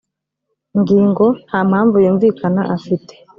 ngingo nta mpamvu yumvikana afite